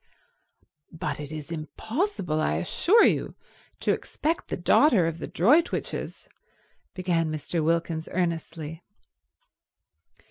"But it is impossible, I assure you, to expect the daughter of the Droitwiches—" began Mr. Wilkins earnestly.